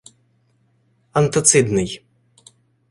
антацидний